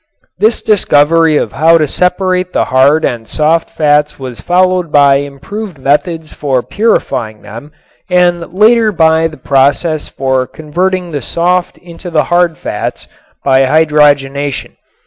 This discovery of how to separate the hard and soft fats was followed by improved methods for purifying them and later by the process for converting the soft into the hard fats by hydrogenation.